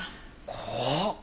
怖っ。